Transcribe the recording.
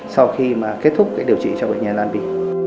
sau khi mà kết thúc cái điều trị cho bệnh nhân lan vy